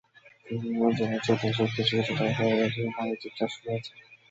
খোঁজ নিয়ে জেনেছি, দেশের কিছু কিছু জায়গায় এটির বাণিজ্যিক চাষ শুরু হয়েছে।